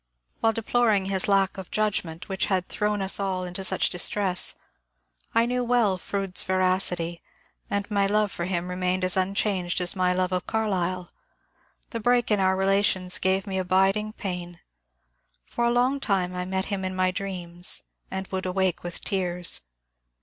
While deploring his lack of judgment which had thrown us all into such distress, I knew well Fronde's veracity, and my love for him remained as unchanged as my love of Carlyle ; the break in our relations gave me abiding pain ; for a long time I met him in my dreams and would awake with tears.